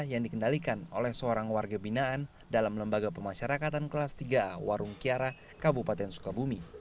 yang dikendalikan oleh seorang warga binaan dalam lembaga pemasyarakatan kelas tiga a warung kiara kabupaten sukabumi